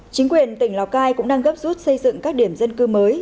chính quyền tỉnh lào cai cũng đang gấp rút xây dựng các điểm dân cư mới